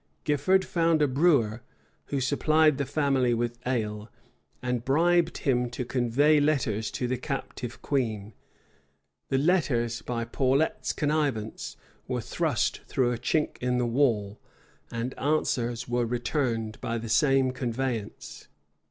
Gifford found a brewer, who supplied the family with ale; and bribed him to convey letters to the captive queen. The letters, by Paulet's connivance, were thrust through a chink in the wall; and answers were returned by the same conveyance.